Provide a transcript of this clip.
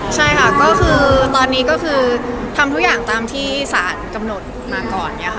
ใช่ค่ะก็คือตอนนี้ก็คือทำทุกอย่างตามที่สารกำหนดมาก่อนเนี่ยค่ะ